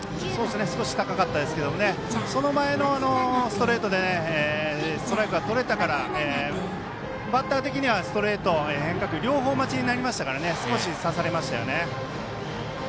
少し高かったですけどその前のストレートでストライクがとれたからバッター的にはストレート、変化球両方待ちになりましたから少し差されましたよね。